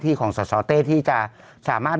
พี่ขับรถไปเจอแบบ